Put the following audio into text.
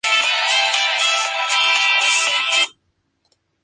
Es otro target de edad, de gustos muy diferentes".